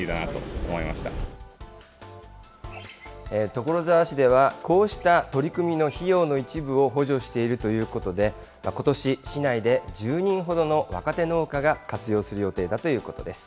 所沢市では、こうした取り組みの費用の一部を補助しているということで、ことし、市内で１０人ほどの若手農家が活用する予定だということです。